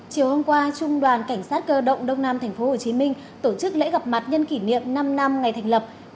chiều hôm qua trung đoàn cảnh sát cơ động đông nam tp hcm tổ chức lễ gặp mặt nhân kỷ niệm năm năm ngày thành lập